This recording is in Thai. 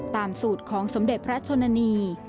ตามสูตรของสมเด็จพระชนนี